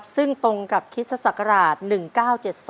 ซึ่งตรงกับคริสตศักราช๑๙๗๒